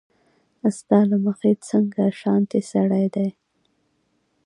ستا له مخې څنګه شانتې سړی دی